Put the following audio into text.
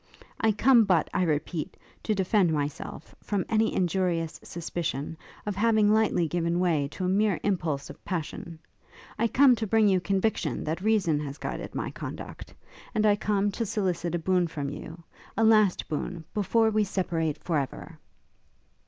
I come but, I repeat, to defend myself, from any injurious suspicion, of having lightly given way to a mere impulse of passion. I come to bring you conviction that reason has guided my conduct; and I come to solicit a boon from you, a last boon, before we separate for ever!'